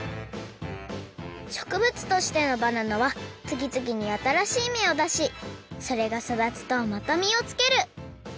しょくぶつとしてのバナナはつぎつぎにあたらしいめをだしそれがそだつとまたみをつける。